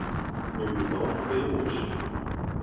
Meu irmão não veio hoje.